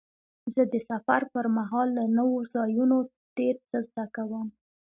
زه د سفر پر مهال له نوو ځایونو ډېر څه زده کوم.